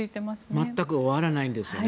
全く終わらないんですよね。